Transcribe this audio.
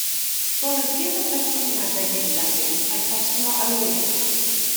Golygir y perfformiadau hyn ganddynt a'u postio ar y we.